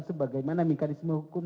sebagai mana mekanisme hukum